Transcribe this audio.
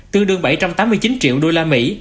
tương đương bảy trăm tám mươi chín triệu đô la mỹ